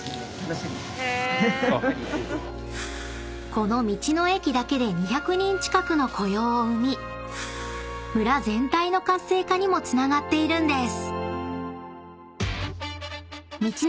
［この道の駅だけで２００人近くの雇用を生み村全体の活性化にもつながっているんです］